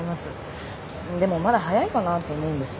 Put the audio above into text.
でもまだ早いかなと思うんですよ。